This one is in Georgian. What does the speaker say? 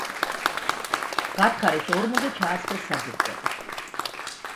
გათხარეს ორმო და ჩაასხეს საძირკველი.